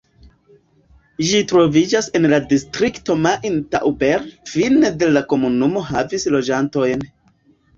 Ĝi troviĝas en la distrikto Main-Tauber Fine de la komunumo havis loĝantojn.